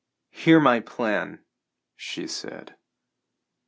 "Hear my plan," she said.